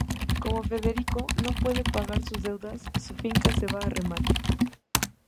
Como Federico no puede pagar sus deudas, su finca se va a remate.